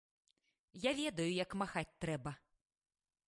Я ведаю, як махаць трэба!